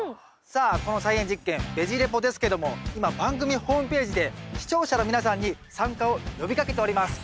さあこの菜園実験「ベジ・レポ」ですけども今番組ホームページで視聴者の皆さんに参加を呼びかけております。